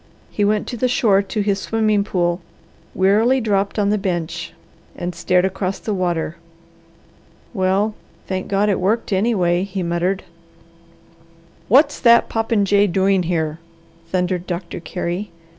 He went to the shore to his swimming pool, wearily dropped on the bench, and stared across the water. "Well thank God it worked, anyway!" he muttered. "What's that popinjay doing here?" thundered Doctor Carey.